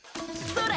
それ！